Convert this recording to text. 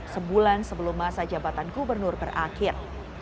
sebulan sebelum masa jabatan gubernur berakhir